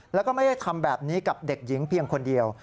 แล้วก็ไม่ได้ทำแบบนี้กับเด็กหญิงเพียงคนเดียว